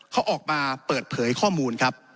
เขาออกมาเปิดเผยข้อมูลครับ